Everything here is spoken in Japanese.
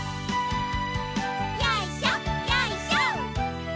よいしょよいしょ。